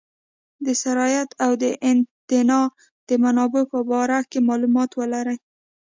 د سرایت او د انتان د منابع په باره کې معلومات ولري.